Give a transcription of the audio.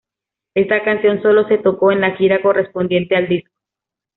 Esta canción sólo se tocó en la gira correspondiente al disco.